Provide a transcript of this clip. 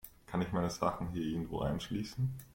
Kann ich meine Sachen hier irgendwo einschließen?